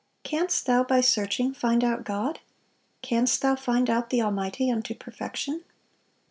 "Canst thou by searching find out God? canst thou find out the Almighty unto perfection?"